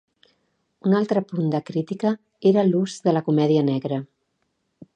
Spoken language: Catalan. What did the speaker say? Un altre punt de crítica era l'ús de la comèdia negra.